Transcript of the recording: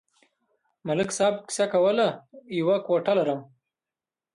ملک صاحب کیسه کوله: یوه کوټه لرم.